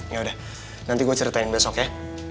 yaudah nanti gue ceritain besok ya